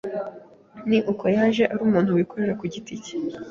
ni uko yaje ari umuntu wikorera ku giti cye,